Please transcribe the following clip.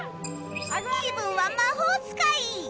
気分は魔法使い！